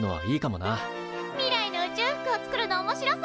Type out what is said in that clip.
未来の宇宙服をつくるのおもしろそう！